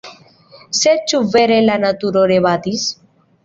Sed ĉu vere la naturo rebatis?